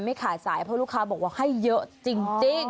ไม่ขาดสายเพราะลูกค้าบอกว่าให้เยอะจริง